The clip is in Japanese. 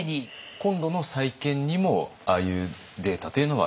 今度の再建にもああいうデータというのは生かされる？